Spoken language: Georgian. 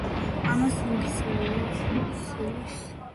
ამას მიქცევა-მოქცევის ძალების მოდელირება წინასწარმეტყველებს.